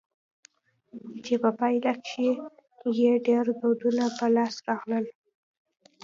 چي په پايله کښي ئې ډېر دودونه په لاس راغلل.